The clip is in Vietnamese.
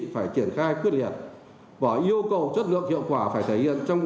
phải triển khai quyết liệt và yêu cầu chất lượng hiệu quả phải thể hiện trong